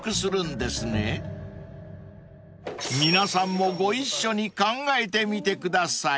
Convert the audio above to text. ［皆さんもご一緒に考えてみてください］